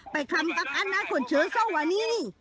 ไปคำกับอันนั้นคนเชื้อเศร้าวันนี้